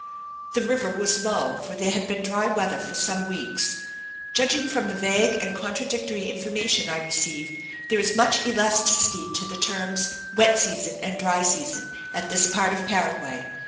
The river was low, for there had been dry weather for some weeks judging from the vague and contradictory information I received there is much elasticity to the terms wet season and dry season at this part of the Paraguay.